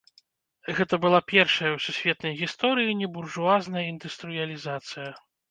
Гэта была першая ў сусветнай гісторыі небуржуазная індустрыялізацыя.